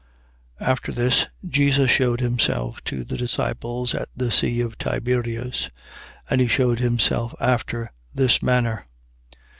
21:1. After this, Jesus shewed himself to the disciples at the sea of Tiberias. And he shewed himself after this manner.